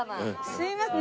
すいません。